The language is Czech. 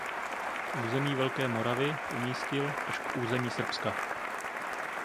Území Velké Moravy umístil až k území Srbska.